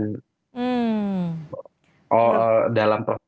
empat puluh lima masyarakat itu merasa belum dilibatkan